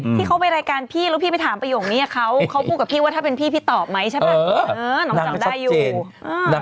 ที่เขาไปรายการพี่แล้วพี่ไปถามประโยคนี้อ่ะเขา